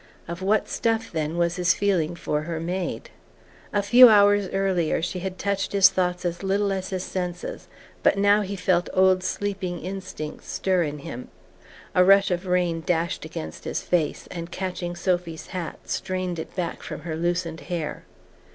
Of what stuff, then, was his feeling for her made? A few hours earlier she had touched his thoughts as little as his senses; but now he felt old sleeping instincts stir in him... A rush of rain dashed against his face, and, catching Sophy's hat, strained it back from her loosened hair.